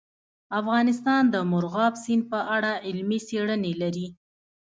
افغانستان د مورغاب سیند په اړه علمي څېړنې لري.